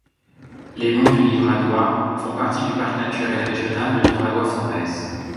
Les monts du Livradois font partie du Parc naturel régional Livradois-Forez.